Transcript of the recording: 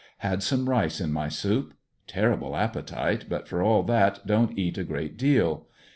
Had some rice in my soup. Terrible appetite, but for all that don't eat a great deal.